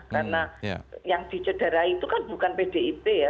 karena yang dicederahi itu kan bukan pdip ya